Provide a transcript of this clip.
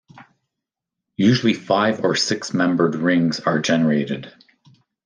Usually five- or six-membered rings are generated.